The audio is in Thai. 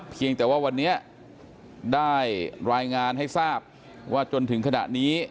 เพียงแต่ว่าวันนี้ได้รายงานให้ทราบว่าจนถึงขณะนี้